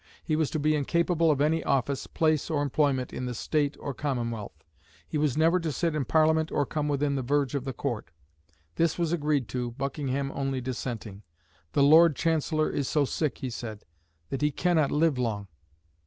He was to be incapable of any office, place, or employment in the State or Commonwealth. He was never to sit in Parliament or come within the verge of the Court. This was agreed to, Buckingham only dissenting. "The Lord Chancellor is so sick," he said, "that he cannot live long."